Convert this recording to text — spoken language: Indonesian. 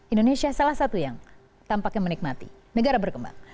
indonesia salah satu yang tampaknya menikmati negara berkembang